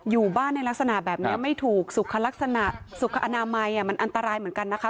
อยู่บ้านในลักษณะแบบนี้ไม่ถูกสุขลักษณะสุขอนามัยมันอันตรายเหมือนกันนะคะ